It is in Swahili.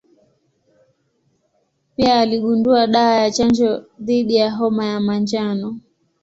Pia aligundua dawa ya chanjo dhidi ya homa ya manjano.